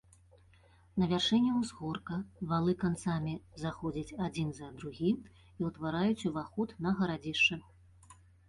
На вяршыні ўзгорка валы канцамі заходзяць адзін за другі і ўтвараюць уваход на гарадзішча.